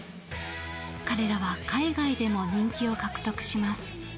彼らは海外でも人気を獲得します。